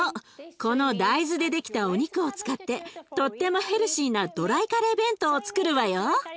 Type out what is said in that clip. この大豆でできたお肉を使ってとってもヘルシーなドライカレー弁当をつくるわよ！